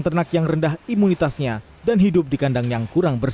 ternak yang rendah imunitasnya dan hidup di kandang yang kurang bersih